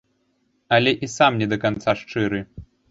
Але і сам не да канца шчыры.